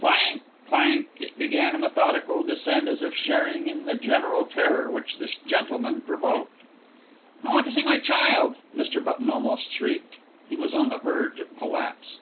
Clank! Clank! It began a methodical descent as if sharing in the general terror which this gentleman provoked. "I want to see my child!" Mr. Button almost shrieked. He was on the verge of collapse.